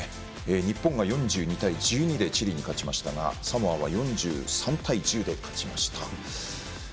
日本が４２対１２でチリに勝ちましたがサモアは４３対１０で勝ちました。